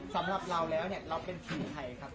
สำหรับเราแล้วเนี่ยเราเป็นทีมไทยครับ